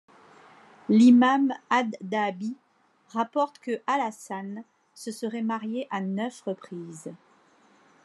L'imam Adh-Dhahabi rapporte que al-Hassan se serait marié à neuf reprises.